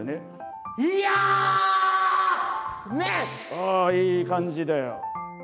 ああいい感じだよ。